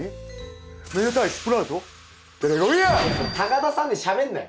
田さんでしゃべんなよ。